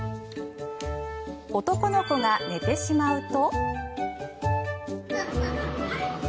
男の子が寝てしまうと。